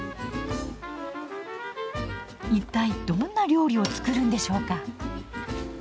一体どんな料理を作るんでしょうか。